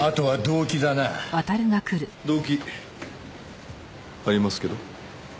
動機ありますけど。